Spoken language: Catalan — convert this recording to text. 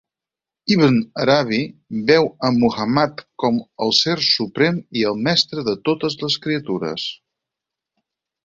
Ibn Arabi veu a Muhàmmad com el ser suprem i el mestre de totes les criatures.